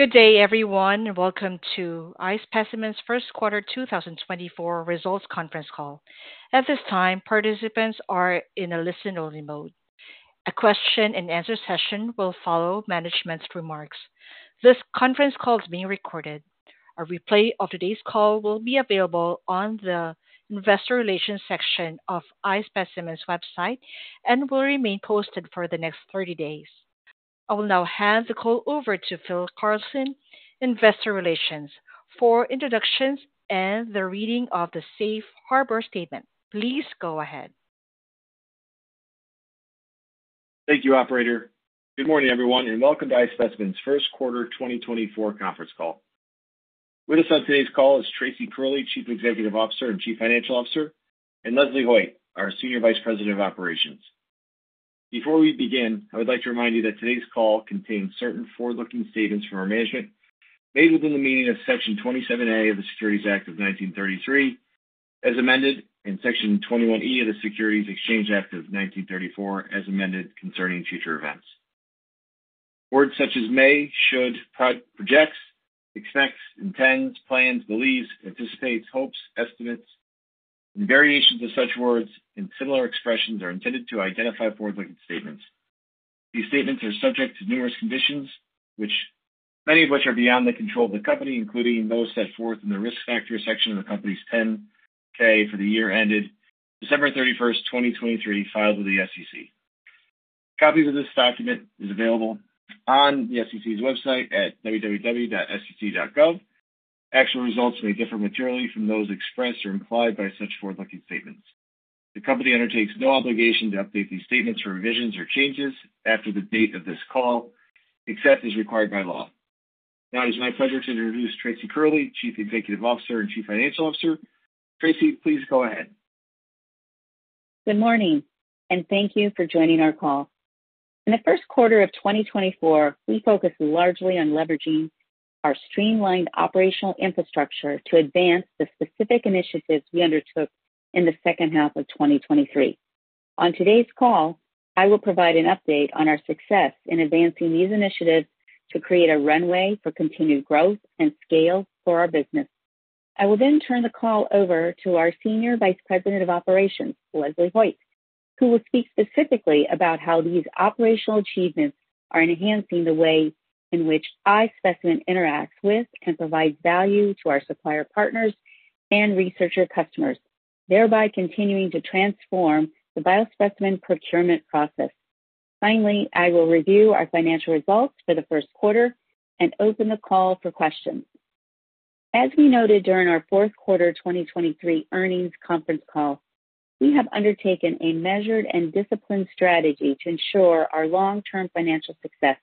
Good day, everyone. Welcome to iSpecimen's Q1 2024 results conference call. At this time, participants are in a listen-only mode. A question and answer session will follow management's remarks. This conference call is being recorded. A replay of today's call will be available on the investor relations section of iSpecimen's website and will remain posted for the next 30 days. I will now hand the call over to Phil Carlson, investor relations, for introductions and the reading of the Safe Harbor statement. Please go ahead. Thank you, operator. Good morning, everyone, and welcome to iSpecimen's Q1 2024 conference call. With us on today's call is Tracy Curley, Chief Executive Officer and Chief Financial Officer, and Leslie Hoyt, our Senior Vice President of Operations. Before we begin, I would like to remind you that today's call contains certain forward-looking statements from our management, made within the meaning of Section 27A of the Securities Act of 1933, as amended, and Section 21E of the Securities Exchange Act of 1934, as amended, concerning future events. Words such as may, should, projects, expects, intends, plans, believes, anticipates, hopes, estimates, and variations of such words and similar expressions are intended to identify forward-looking statements. These statements are subject to numerous conditions, which many of which are beyond the control of the company, including those set forth in the Risk Factors section of the company's 10-K for the year ended December 31, 2023, filed with the SEC. Copies of this document is available on the SEC's website at www.sec.gov. Actual results may differ materially from those expressed or implied by such forward-looking statements. The company undertakes no obligation to update these statements for revisions or changes after the date of this call, except as required by law. Now it is my pleasure to introduce Tracy Curley, Chief Executive Officer and Chief Financial Officer. Tracy, please go ahead. Good morning, and thank you for joining our call. In the Q1 of 2024, we focused largely on leveraging our streamlined operational infrastructure to advance the specific initiatives we undertook in the second half of 2023. On today's call, I will provide an update on our success in advancing these initiatives to create a runway for continued growth and scale for our business. I will then turn the call over to our Senior Vice President of Operations, Leslie Hoyt, who will speak specifically about how these operational achievements are enhancing the way in which iSpecimen interacts with and provides value to our supplier partners and researcher customers, thereby continuing to transform the biospecimen procurement process. Finally, I will review our financial results for the Q1 and open the call for questions. As we noted during our Q4 2023 earnings conference call, we have undertaken a measured and disciplined strategy to ensure our long-term financial success.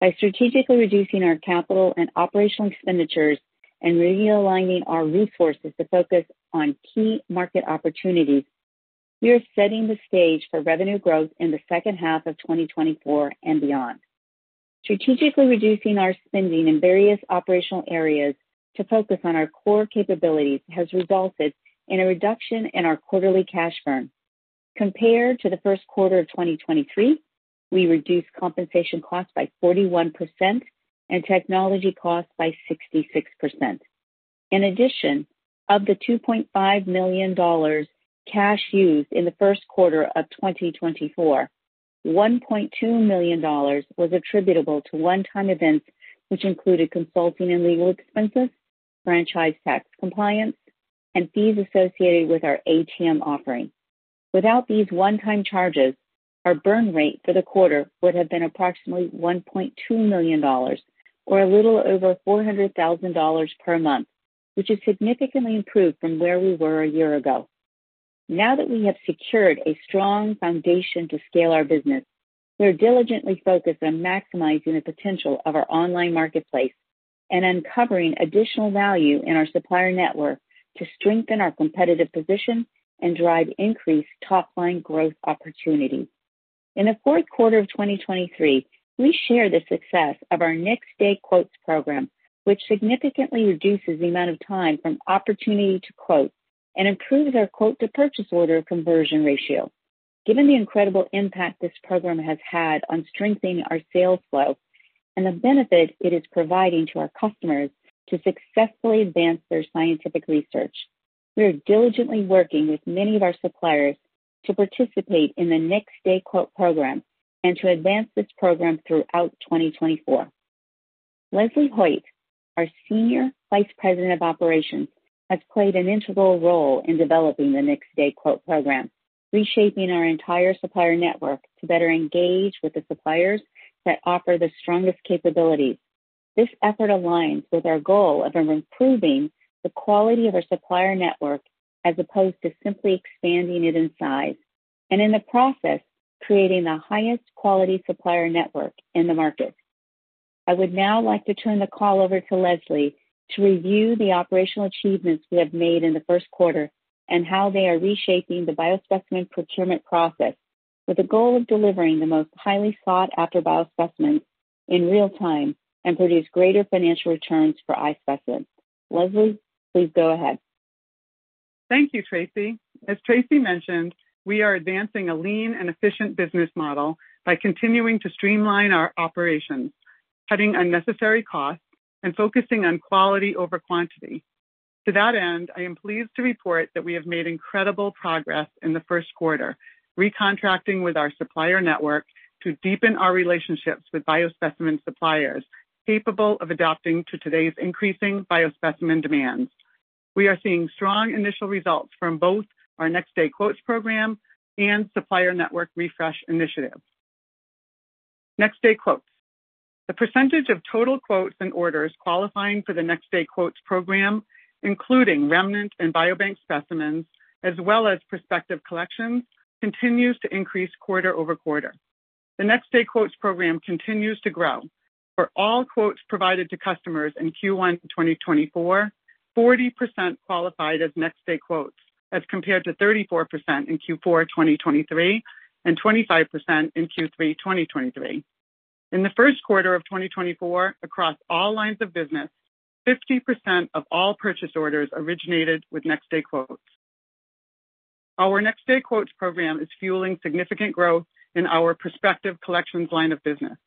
By strategically reducing our capital and operational expenditures and realigning our resources to focus on key market opportunities, we are setting the stage for revenue growth in the second half of 2024 and beyond. Strategically reducing our spending in various operational areas to focus on our core capabilities has resulted in a reduction in our quarterly cash burn. Compared to the Q1 of 2023, we reduced compensation costs by 41% and technology costs by 66%. In addition, of the $2.5 million cash used in the Q1 of 2024, $1.2 million was attributable to one-time events, which included consulting and legal expenses, franchise tax compliance, and fees associated with our ATM offering. Without these one-time charges, our burn rate for the quarter would have been approximately $1.2 million, or a little over $400,000 per month, which is significantly improved from where we were a year ago. Now that we have secured a strong foundation to scale our business, we are diligently focused on maximizing the potential of our online marketplace and uncovering additional value in our supplier network to strengthen our competitive position and drive increased top-line growth opportunities. In the Q4 of 2023, we share the success of our Next Day Quotes program, which significantly reduces the amount of time from opportunity to quote and improves our quote-to-purchase order conversion ratio. Given the incredible impact this program has had on strengthening our sales flow and the benefit it is providing to our customers to successfully advance their scientific research, we are diligently working with many of our suppliers to participate in the Next Day Quote program and to advance this program throughout 2024. Leslie Hoyt, our Senior Vice President of Operations, has played an integral role in developing the Next Day Quote program, reshaping our entire supplier network to better engage with the suppliers that offer the strongest capabilities. This effort aligns with our goal of improving the quality of our supplier network, as opposed to simply expanding it in size, and in the process, creating the highest quality supplier network in the market. I would now like to turn the call over to Leslie to review the operational achievements we have made in the Q1 and how they are reshaping the biospecimen procurement process with the goal of delivering the most highly sought-after biospecimens in real time and produce greater financial returns for iSpecimen. Leslie, please go ahead. ... Thank you, Tracy. As Tracy mentioned, we are advancing a lean and efficient business model by continuing to streamline our operations, cutting unnecessary costs, and focusing on quality over quantity. To that end, I am pleased to report that we have made incredible progress in the Q1, recontacting with our supplier network to deepen our relationships with biospecimen suppliers capable of adapting to today's increasing biospecimen demands. We are seeing strong initial results from both our Next Day Quotes program and Supplier Network Refresh initiative. Next Day Quotes. The percentage of total quotes and orders qualifying for the Next Day Quotes program, including remnant and biobank specimens, as well as prospective collections, continues to increase quarter-over-quarter. The Next Day Quotes program continues to grow. For all quotes provided to customers in Q1 2024, 40% qualified as Next Day Quotes, as compared to 34% in Q4 2023 and 25% in Q3 2023. In the Q1 of 2024, across all lines of business, 50% of all purchase orders originated with Next Day Quotes. Our Next Day Quotes program is fueling significant growth in our prospective collections line of business.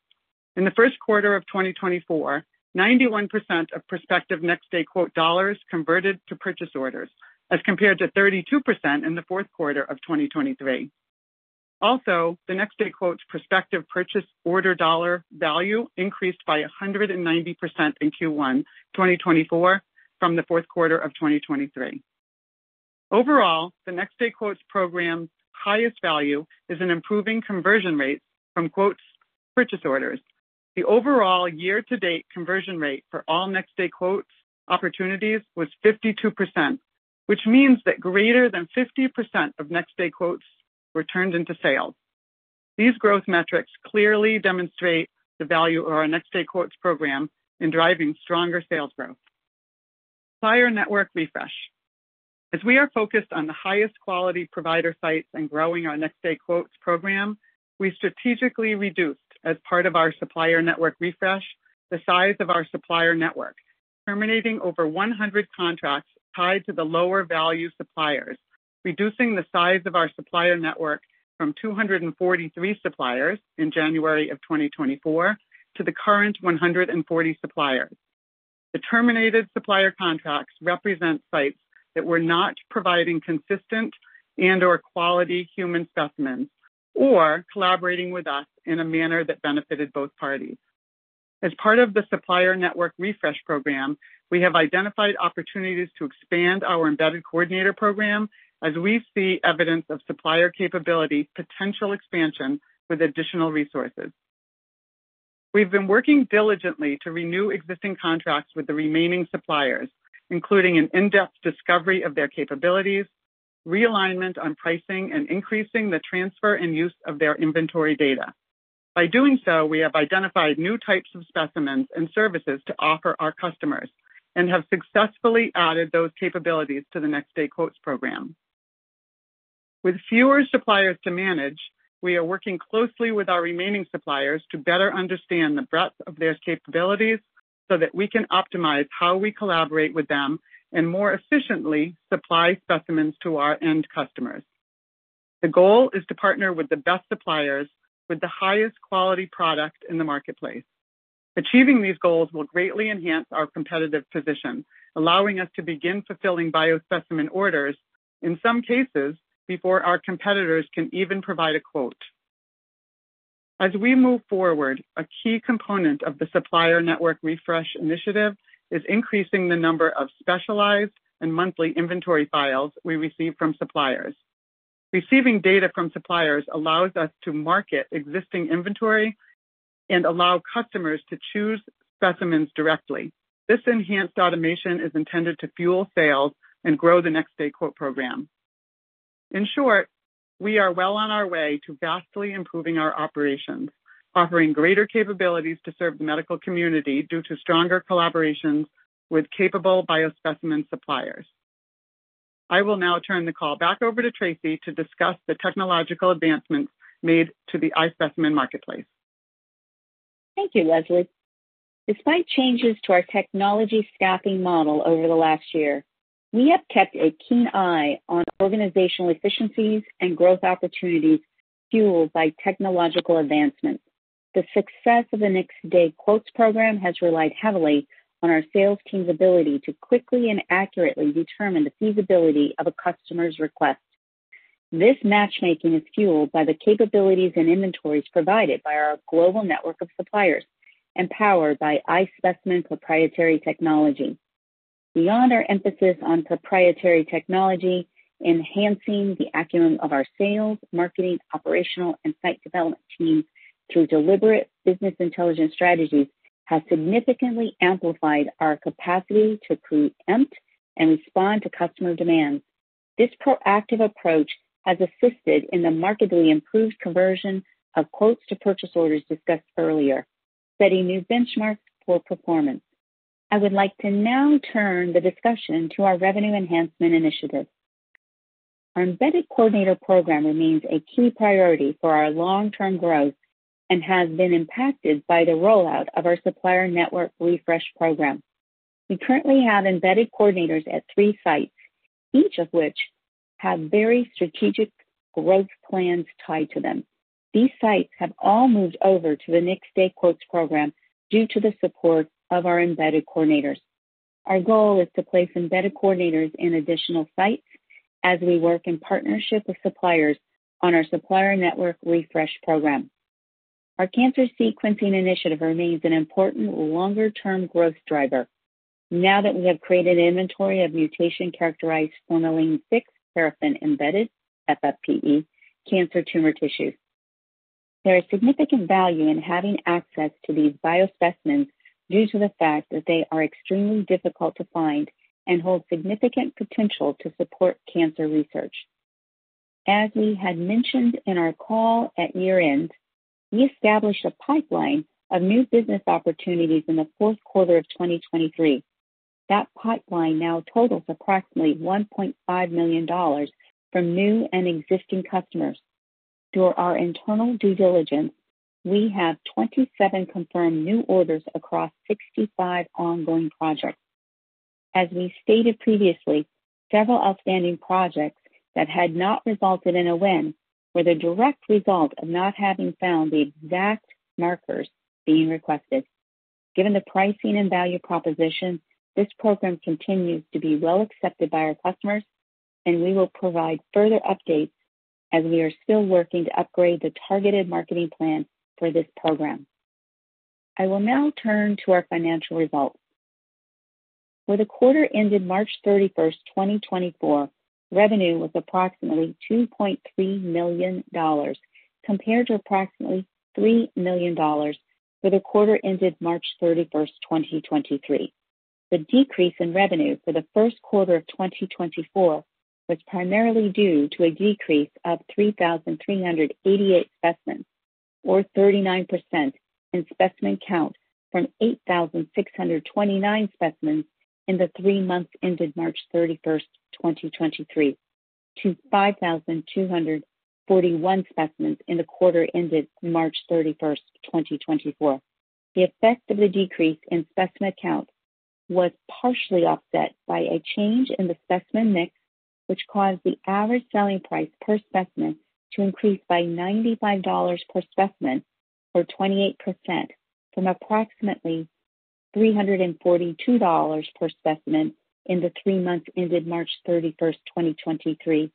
In the Q1 of 2024, 91% of prospective Next Day Quote dollars converted to purchase orders, as compared to 32% in the Q4 of 2023. Also, the Next Day Quotes prospective purchase order dollar value increased by 190% in Q1 2024 from the Q4 of 2023. Overall, the Next Day Quotes program's highest value is an improving conversion rate from quotes to purchase orders. The overall year-to-date conversion rate for all Next Day Quotes opportunities was 52%, which means that greater than 50% of Next Day Quotes were turned into sales. These growth metrics clearly demonstrate the value of our Next Day Quotes program in driving stronger sales growth. Supplier Network Refresh. As we are focused on the highest quality provider sites and growing our Next Day Quotes program, we strategically reduced, as part of our Supplier Network Refresh, the size of our supplier network, terminating over 100 contracts tied to the lower-value suppliers, reducing the size of our supplier network from 243 suppliers in January of 2024 to the current 140 suppliers. The terminated supplier contracts represent sites that were not providing consistent and/or quality human specimens or collaborating with us in a manner that benefited both parties. As part of the Supplier Network Refresh program, we have identified opportunities to expand our Embedded Coordinator Program as we see evidence of supplier capability potential expansion with additional resources. We've been working diligently to renew existing contracts with the remaining suppliers, including an in-depth discovery of their capabilities, realignment on pricing, and increasing the transfer and use of their inventory data. By doing so, we have identified new types of specimens and services to offer our customers and have successfully added those capabilities to the Next Day Quotes program. With fewer suppliers to manage, we are working closely with our remaining suppliers to better understand the breadth of their capabilities so that we can optimize how we collaborate with them and more efficiently supply specimens to our end customers. The goal is to partner with the best suppliers with the highest quality product in the marketplace. Achieving these goals will greatly enhance our competitive position, allowing us to begin fulfilling biospecimen orders, in some cases, before our competitors can even provide a quote. As we move forward, a key component of the Supplier Network Refresh initiative is increasing the number of specialized and monthly inventory files we receive from suppliers. Receiving data from suppliers allows us to market existing inventory and allow customers to choose specimens directly. This enhanced automation is intended to fuel sales and grow the Next Day Quote program. In short, we are well on our way to vastly improving our operations, offering greater capabilities to serve the medical community due to stronger collaborations with capable biospecimen suppliers. I will now turn the call back over to Tracy to discuss the technological advancements made to the iSpecimen Marketplace. Thank you, Leslie. Despite changes to our technology staffing model over the last year, we have kept a keen eye on organizational efficiencies and growth opportunities fueled by technological advancements. The success of the Next Day Quotes program has relied heavily on our sales team's ability to quickly and accurately determine the feasibility of a customer's request. This matchmaking is fueled by the capabilities and inventories provided by our global network of suppliers and powered by iSpecimen proprietary technology. Beyond our emphasis on proprietary technology, enhancing the acumen of our sales, marketing, operational, and site development teams through deliberate business intelligence strategies has significantly amplified our capacity to preempt and respond to customer demands. This proactive approach has assisted in the markedly improved conversion of quotes to purchase orders discussed earlier, setting new benchmarks for performance. I would like to now turn the discussion to our revenue enhancement initiatives.... Our embedded coordinator program remains a key priority for our long-term growth and has been impacted by the rollout of our supplier network refresh program. We currently have embedded coordinators at three sites, each of which have very strategic growth plans tied to them. These sites have all moved over to the next day quotes program due to the support of our embedded coordinators. Our goal is to place embedded coordinators in additional sites as we work in partnership with suppliers on our supplier network refresh program. Our cancer sequencing initiative remains an important longer-term growth driver now that we have created an inventory of mutation-characterized formalin fixed paraffin-embedded, FFPE, cancer tumor tissue. There is significant value in having access to these biospecimens due to the fact that they are extremely difficult to find and hold significant potential to support cancer research. As we had mentioned in our call at year-end, we established a pipeline of new business opportunities in the Q4 of 2023. That pipeline now totals approximately $1.5 million from new and existing customers. Through our internal due diligence, we have 27 confirmed new orders across 65 ongoing projects. As we stated previously, several outstanding projects that had not resulted in a win were the direct result of not having found the exact markers being requested. Given the pricing and value proposition, this program continues to be well accepted by our customers, and we will provide further updates as we are still working to upgrade the targeted marketing plan for this program. I will now turn to our financial results. For the quarter ended March 31st, 2024, revenue was approximately $2.3 million, compared to approximately $3 million for the quarter ended March 31st, 2023. The decrease in revenue for the Q1 of 2024 was primarily due to a decrease of 3,388 specimens, or 39%, in specimen count from 8,629 specimens in the three months ended March 31st, 2023, to 5,241 specimens in the quarter ended March 31st, 2024. The effect of the decrease in specimen count was partially offset by a change in the specimen mix, which caused the average selling price per specimen to increase by $95 per specimen, or 28%, from approximately $342 per specimen in the three months ended March 31, 2023,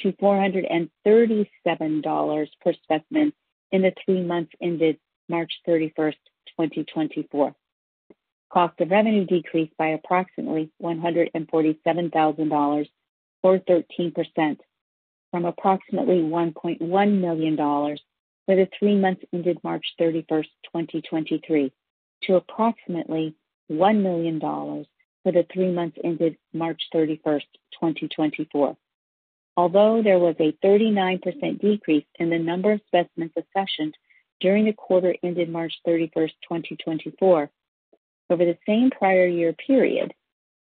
to $437 per specimen in the three months ended March 31, 2024. Cost of revenue decreased by approximately $147,000, or 13%, from approximately $1.1 million for the three months ended March 31, 2023, to approximately $1 million for the three months ended March 31, 2024. Although there was a 39% decrease in the number of specimens accessioned during the quarter ended March 31, 2024, over the same prior year period,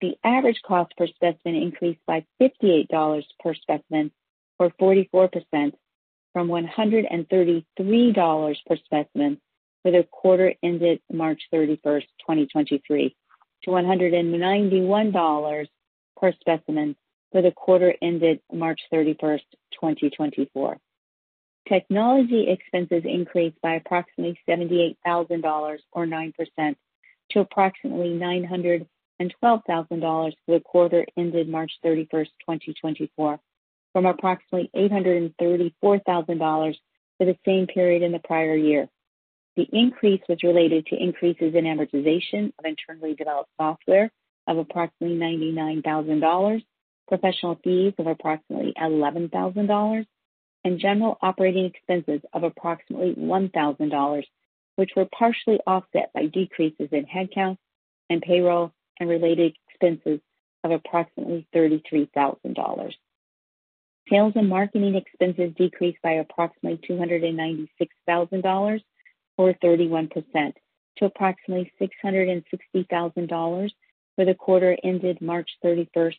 the average cost per specimen increased by $58 per specimen, or 44%, from $133 per specimen for the quarter ended March 31, 2023, to $191 per specimen for the quarter ended March 31, 2024. Technology expenses increased by approximately $78,000, or 9%, to approximately $912,000 for the quarter ended March 31, 2024, from approximately $834,000 for the same period in the prior year. The increase was related to increases in amortization of internally developed software of approximately $99,000, professional fees of approximately $11,000, and general operating expenses of approximately $1,000, which were partially offset by decreases in headcount and payroll and related expenses of approximately $33,000. Sales and marketing expenses decreased by approximately $296,000, or 31%, to approximately $660,000 for the quarter ended March 31,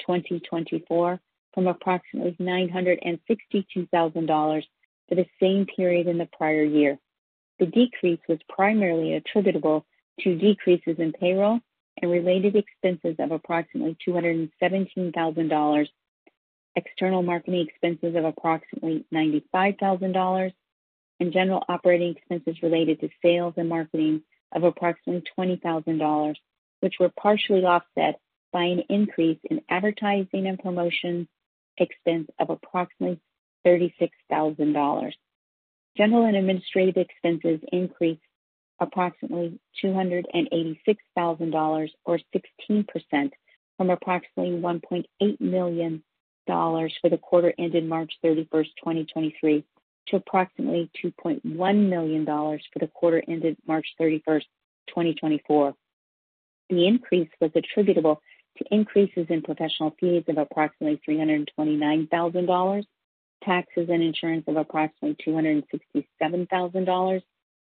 2024, from approximately $962,000 for the same period in the prior year. The decrease was primarily attributable to decreases in payroll and related expenses of approximately $217,000, external marketing expenses of approximately $95,000, and general operating expenses related to sales and marketing of approximately $20,000, which were partially offset by an increase in advertising and promotion expense of approximately $36,000. General and administrative expenses increased approximately $286,000, or 16%, from approximately $1.8 million for the quarter ended March 31, 2023, to approximately $2.1 million for the quarter ended March 31, 2024. The increase was attributable to increases in professional fees of approximately $329,000-... taxes and insurance of approximately $267,000,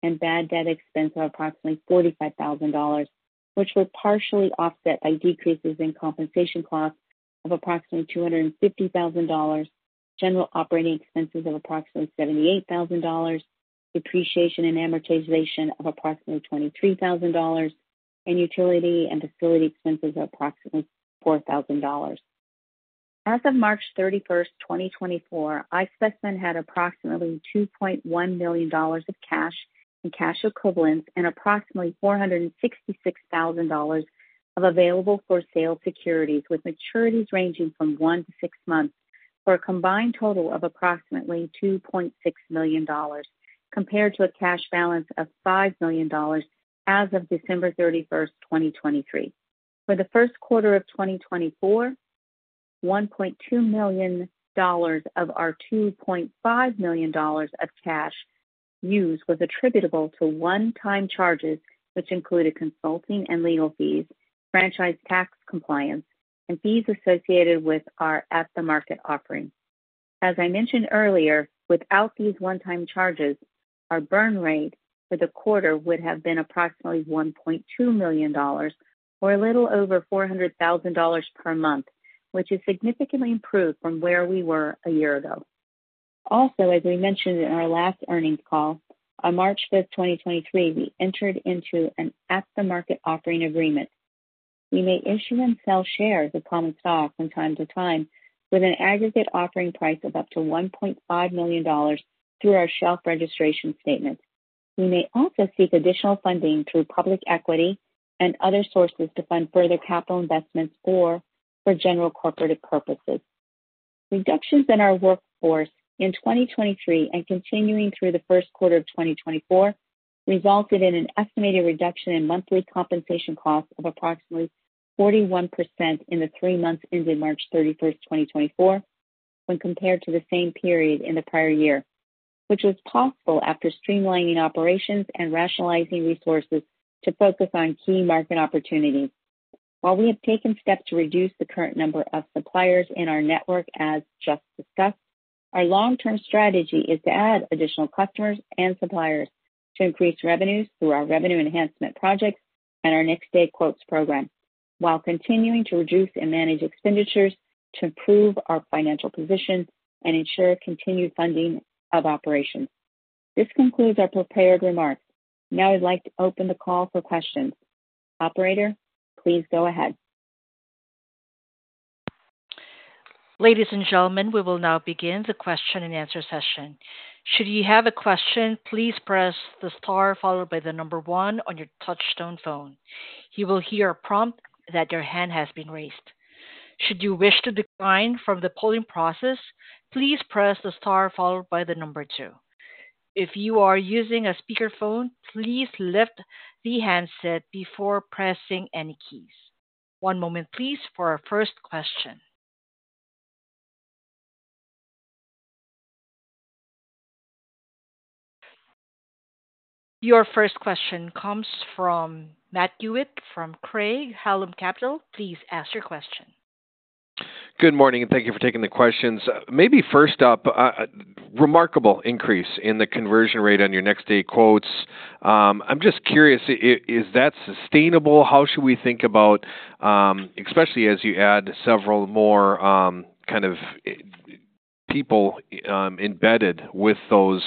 and bad debt expense of approximately $45,000, which was partially offset by decreases in compensation costs of approximately $250,000, general operating expenses of approximately $78,000, depreciation and amortization of approximately $23,000, and utility and facility expenses of approximately $4,000. As of March 31, 2024, iSpecimen had approximately $2.1 million of cash and cash equivalents and approximately $466,000 of available for sale securities, with maturities ranging from 1-6 months, for a combined total of approximately $2.6 million, compared to a cash balance of $5 million as of December 31, 2023. For the Q1 of 2024, $1.2 million of our $2.5 million of cash used was attributable to one-time charges, which included consulting and legal fees, franchise tax compliance, and fees associated with our at-the-market offerings. As I mentioned earlier, without these one-time charges, our burn rate for the quarter would have been approximately $1.2 million or a little over $400,000 per month, which is significantly improved from where we were a year ago. Also, as we mentioned in our last earnings call, on March 5, 2023, we entered into an at-the-market offering agreement. We may issue and sell shares of common stock from time to time with an aggregate offering price of up to $1.5 million through our shelf registration statement. We may also seek additional funding through public equity and other sources to fund further capital investments or for general corporate purposes. Reductions in our workforce in 2023 and continuing through the Q1 of 2024, resulted in an estimated reduction in monthly compensation costs of approximately 41% in the three months ending March 31, 2024, when compared to the same period in the prior year, which was possible after streamlining operations and rationalizing resources to focus on key market opportunities. While we have taken steps to reduce the current number of suppliers in our network, as just discussed, our long-term strategy is to add additional customers and suppliers to increase revenues through our revenue enhancement projects and our Next Day Quotes program, while continuing to reduce and manage expenditures to improve our financial position and ensure continued funding of operations. This concludes our prepared remarks. Now I'd like to open the call for questions. Operator, please go ahead. Ladies and gentlemen, we will now begin the question-and-answer session. Should you have a question, please press the star followed by one on your touchtone phone. You will hear a prompt that your hand has been raised. Should you wish to decline from the polling process, please press the star followed by two. If you are using a speakerphone, please lift the handset before pressing any keys. One moment, please, for our first question. Your first question comes from Matt Hewitt from Craig-Hallum Capital Group. Please ask your question. Good morning, and thank you for taking the questions. Maybe first up, remarkable increase in the conversion rate on your Next Day Quotes. I'm just curious, is that sustainable? How should we think about, especially as you add several more, kind of, people embedded with those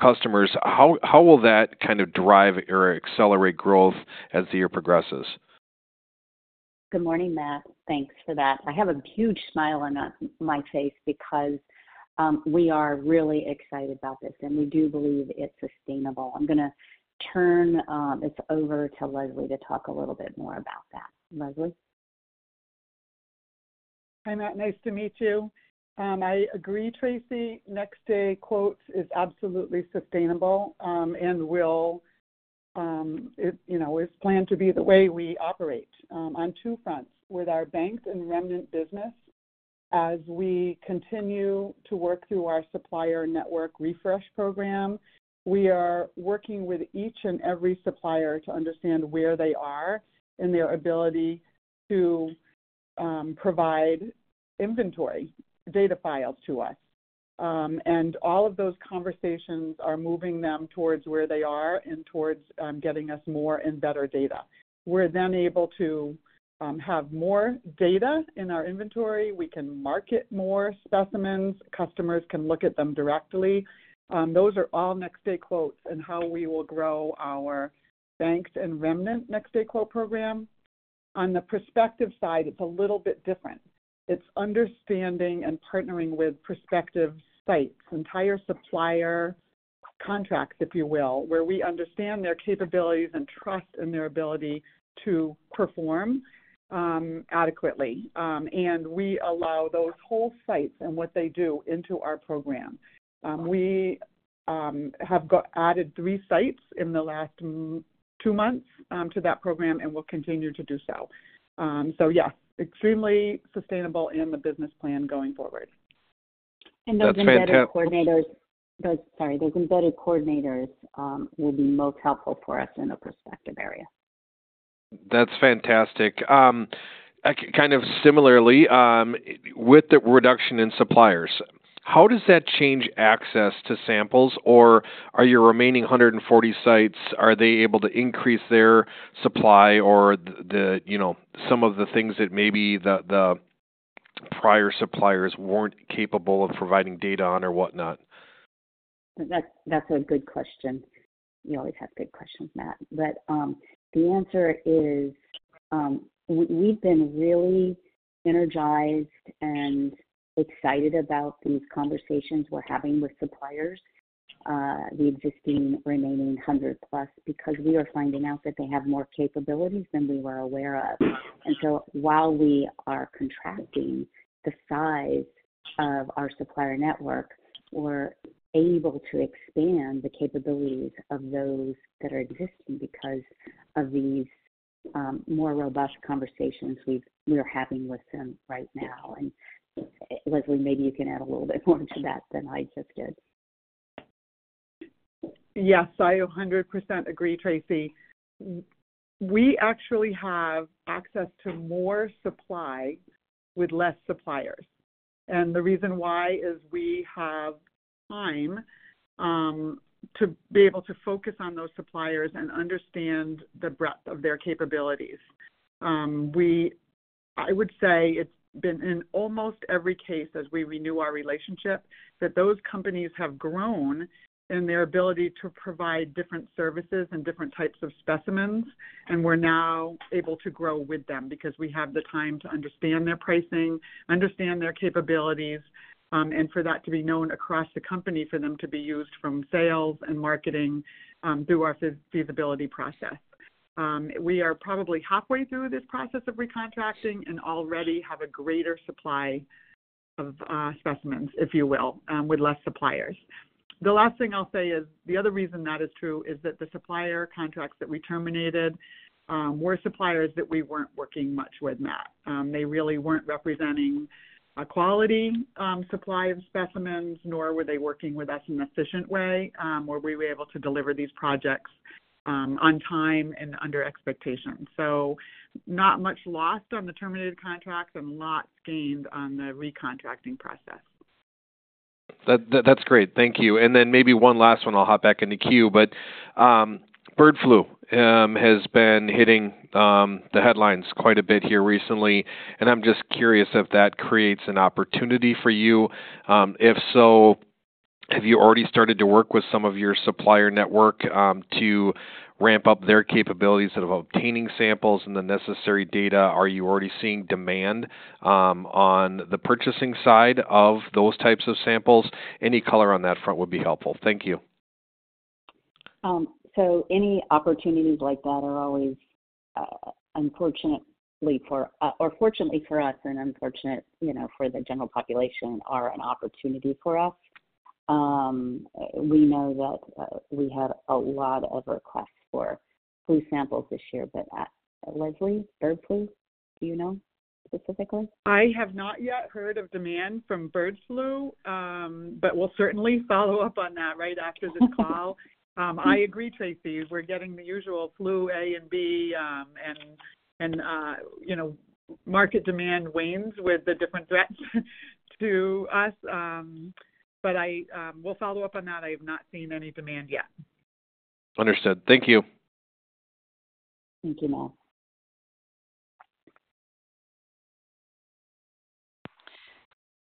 customers, how will that kind of drive or accelerate growth as the year progresses? Good morning, Matt. Thanks for that. I have a huge smile on my face because we are really excited about this, and we do believe it's sustainable. I'm gonna turn this over to Leslie to talk a little bit more about that. Leslie? Hi, Matt. Nice to meet you. I agree, Tracy, Next Day Quotes is absolutely sustainable, and will, it, you know, is planned to be the way we operate, on two fronts with our biobanks and remnant business. As we continue to work through our Supplier Network Refresh program, we are working with each and every supplier to understand where they are in their ability to provide inventory data files to us. And all of those conversations are moving them towards where they are and towards getting us more and better data. We're then able to have more data in our inventory. We can market more specimens. Customers can look at them directly. Those are all Next Day Quotes and how we will grow our biobanks and remnant Next Day Quote program. On the prospective side, it's a little bit different. It's understanding and partnering with prospective sites, entire supplier contracts, if you will, where we understand their capabilities and trust in their ability to perform adequately. We allow those whole sites and what they do into our program. We have got added three sites in the last two months to that program, and we'll continue to do so. So yeah, extremely sustainable in the business plan going forward. And those Embedded Coordinators- That's fantastic. Sorry, those embedded coordinators will be most helpful for us in the prospective area.... That's fantastic. Kind of similarly, with the reduction in suppliers, how does that change access to samples, or are your remaining 140 sites, are they able to increase their supply or the, the, you know, some of the things that maybe the, the prior suppliers weren't capable of providing data on or whatnot? That's a good question. You always have good questions, Matt. But, the answer is, we, we've been really energized and excited about these conversations we're having with suppliers, the existing remaining 100+, because we are finding out that they have more capabilities than we were aware of. And so while we are contracting the size of our supplier network, we're able to expand the capabilities of those that are existing because of these, more robust conversations we are having with them right now. And, Leslie, maybe you can add a little bit more to that than I just did. Yes, I 100% agree, Tracy. We actually have access to more supply with less suppliers, and the reason why is we have time to be able to focus on those suppliers and understand the breadth of their capabilities. I would say it's been in almost every case, as we renew our relationship, that those companies have grown in their ability to provide different services and different types of specimens, and we're now able to grow with them because we have the time to understand their pricing, understand their capabilities, and for that to be known across the company, for them to be used from sales and marketing through our feasibility process. We are probably halfway through this process of recontracting and already have a greater supply of specimens, if you will, with less suppliers. The last thing I'll say is, the other reason that is true is that the supplier contracts that we terminated were suppliers that we weren't working much with, Matt. They really weren't representing a quality supply of specimens, nor were they working with us in an efficient way, where we were able to deliver these projects on time and under expectations. So not much lost on the terminated contracts and lots gained on the recontracting process. That, that's great. Thank you. And then maybe one last one, I'll hop back in the queue. But bird flu has been hitting the headlines quite a bit here recently, and I'm just curious if that creates an opportunity for you. If so, have you already started to work with some of your supplier network to ramp up their capabilities of obtaining samples and the necessary data? Are you already seeing demand on the purchasing side of those types of samples? Any color on that front would be helpful. Thank you. So any opportunities like that are always, unfortunately for us, or fortunately for us and unfortunate, you know, for the general population, are an opportunity for us. We know that, we had a lot of requests for flu samples this year, but, Leslie, bird flu, do you know specifically? I have not yet heard of demand from bird flu, but we'll certainly follow up on that right after this call. I agree, Tracy. We're getting the usual flu A and B, you know, market demand wanes with the different threats to us, but I... We'll follow up on that. I have not seen any demand yet. Understood. Thank you. Thank you, Matt.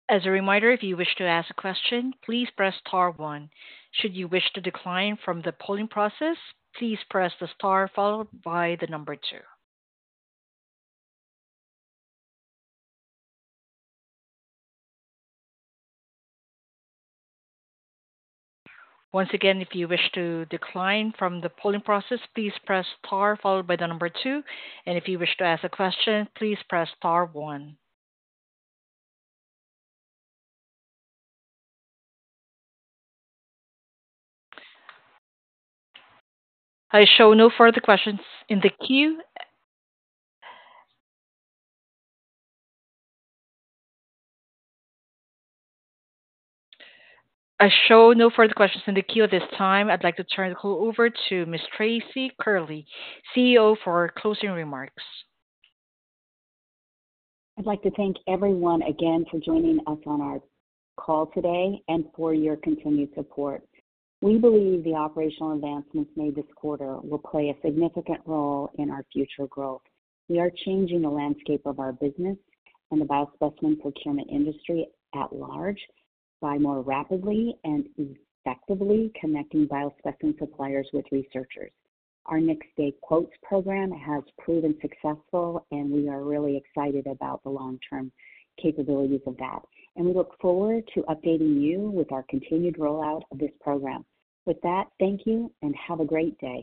As a reminder, if you wish to ask a question, please press star one. Should you wish to decline from the polling process, please press the star followed by the number two. Once again, if you wish to decline from the polling process, please press star followed by the number two, and if you wish to ask a question, please press star one. I show no further questions in the queue. I show no further questions in the queue at this time. I'd like to turn the call over to Ms. Tracy Curley, CEO, for closing remarks. I'd like to thank everyone again for joining us on our call today and for your continued support. We believe the operational advancements made this quarter will play a significant role in our future growth. We are changing the landscape of our business and the biospecimen procurement industry at large by more rapidly and effectively connecting biospecimen suppliers with researchers. Our Next Day Quotes program has proven successful, and we are really excited about the long-term capabilities of that, and we look forward to updating you with our continued rollout of this program. With that, thank you and have a great day.